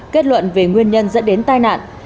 kết luận về nguyên nhân dẫn đến tai nạn